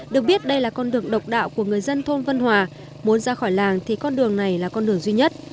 được biết đây là con đường độc đạo của người dân thôn vân hòa muốn ra khỏi làng thì con đường này là con đường duy nhất